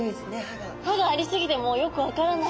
歯がありすぎてもうよく分からない。